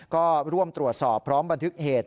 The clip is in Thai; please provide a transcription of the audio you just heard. ก็ร่วมตรวจสอบพร้อมบันทึกเหตุ